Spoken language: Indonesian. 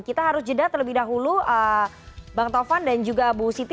kita harus jeda terlebih dahulu bang taufan dan juga bu siti